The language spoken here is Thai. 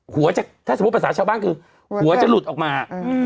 ถ้าสมมุติภาษาชาวบ้านคือหัวจะหลุดออกมา